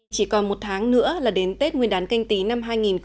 chỉ còn một tháng nữa là đến tết nguyên đán canh tí năm hai nghìn hai mươi